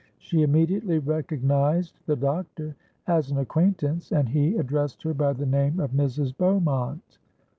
She immediately recognised the doctor as an acquaintance, and he addressed her by the name of Mrs. Beaumont.